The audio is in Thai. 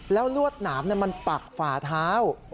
แล้วลวดหนามมันปักฝ่าเท้า